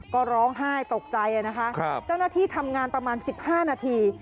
ก็ร้องไห้ตกใจนะคะเจ้าหน้าที่ทำงานประมาณ๑๕นาที